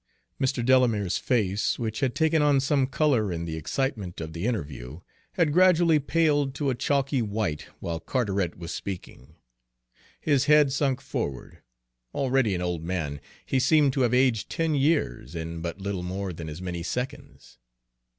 Mr. Delamere's face, which had taken on some color in the excitement of the interview, had gradually paled to a chalky white while Carteret was speaking. His head sunk forward; already an old man, he seemed to have aged ten years in but little more than as many seconds.